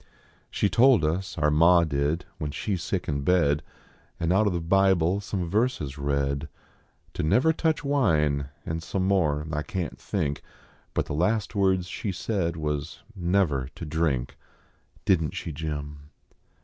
She told us, our ma did, when she s sick in bed, An out of the Bible some verses read, To never touch wine, and some more I can t think ; Hut the last words she said was never to drink Didn t she, Jim